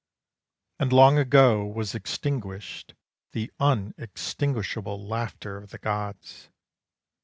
And long ago was extinguished The unextinguishable laughter of the gods.